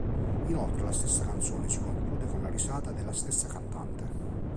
Inoltre la stessa canzone si conclude con la risata della stessa cantante.